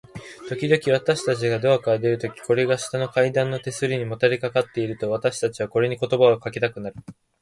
ときどき、私たちがドアから出るとき、これが下の階段の手すりにもたれかかっていると、私たちはこれに言葉をかけたくなる。